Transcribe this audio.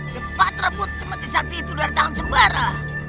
cepat rebut cemeti sakti itu dari tangan sembara